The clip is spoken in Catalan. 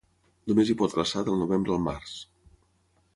Només hi pot glaçar del novembre al març.